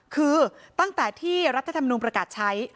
คือตั้งแต่ที่รัฐธรรมนุนประกาศใช้